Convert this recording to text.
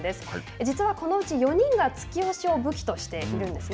実はこのうち４人が突き押しを武器としているんですね。